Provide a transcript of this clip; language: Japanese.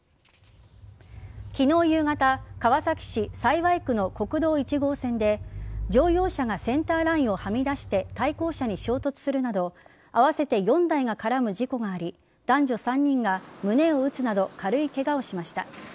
昨日夕方川崎市幸区の国道１号線で乗用車がセンターラインをはみ出して対向車に衝突するなど合わせて４台が絡む事故があり男女３人が胸を打つなど軽いケガをしました。